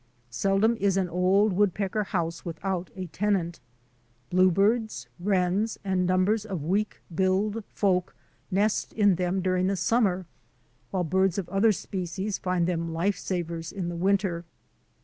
Seldom is an old woodpecker house without a tenant. Bluebirds, wrens, and numbers of weak billed folk nest in them during summer, while birds of other species find them life savers in the winter.